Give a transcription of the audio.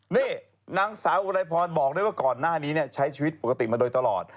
นี่นางสาวอุไรพรบอกด้วยว่าก่อนหน้านี้ใช้ชีวิตปกติมาโดยตลอด